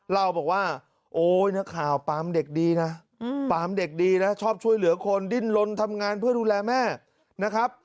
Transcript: เล่าบอกว่าโอ๊ยนักข่าวปามเด็กดีนะปามเด็กดีนะชอบช่วยเหลือคนดิ้นลนทำงานเพื่อดูแลแม่นะครับ